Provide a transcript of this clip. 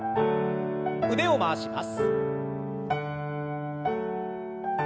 腕を回します。